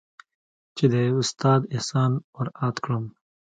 چې د استاد احسان ورادا كړم.